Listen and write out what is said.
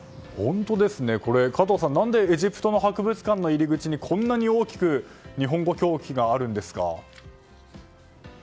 何で、エジプトの博物館の入り口にこんなに大きく日本語表記があるんですか？